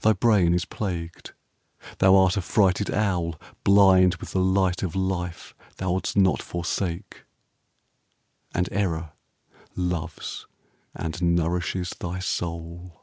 Thy brain is plagued. Thou art a frighted owl Blind with the light of life thou'ldst not forsake, And Error loves and nourishes thy soul.